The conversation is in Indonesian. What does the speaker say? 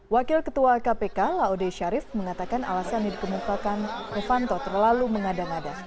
wakil ketua kpk laude sharif mengatakan alasan dikembangkan novanto terlalu mengada ngada